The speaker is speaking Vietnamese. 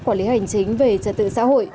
quản lý hành chính về trật tự xã hội